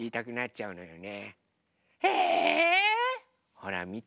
ほらみて。